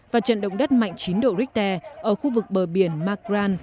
và trận động đất mạnh chín độ richter ở khu vực bờ biển macran